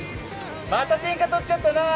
また天下取っちゃったなー！